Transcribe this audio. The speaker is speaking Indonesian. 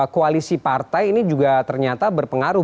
koalisi partai ini juga ternyata berpengaruh